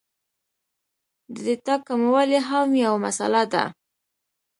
د ډېټا کموالی هم یو مسئله ده